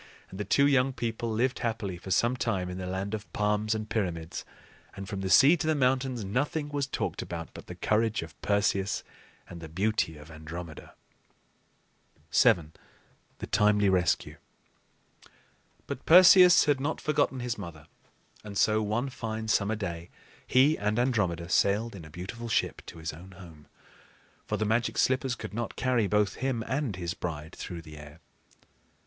And the two young people lived happily for some time in the land of palms and pyramids; and, from the sea to the mountains, nothing was talked about but the courage of Perseus and the beauty of Andromeda. [Illustration: "THE KING SAW IT AND WAS TURNED INTO STONE."] VII. THE TIMELY RESCUE. But Perseus had not forgotten his mother; and so, one fine summer day, he and Andromeda sailed in a beautiful ship to his own home; for the Magic Slippers could not carry both him and his bride through the air.